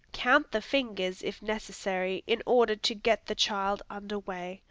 Count the fingers, if necessary, in order to get the child under way.